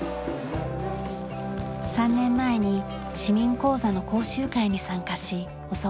３年前に市民講座の講習会に参加し教わりました。